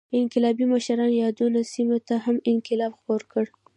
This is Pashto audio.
انقلابي مشرانو یادو سیمو ته هم انقلاب خپور کړ.